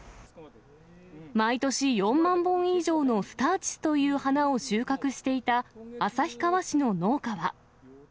毎年４万本以上のスターチスという花を収穫していた、旭川市の農家は。